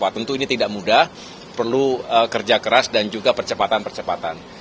tentu ini tidak mudah perlu kerja keras dan juga percepatan percepatan